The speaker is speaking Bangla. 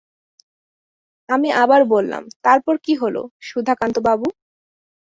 আমি আবার বললাম, তারপর কী হল সুধাকান্তবাবু?